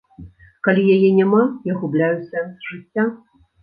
Калі яе няма, я губляю сэнс жыцця.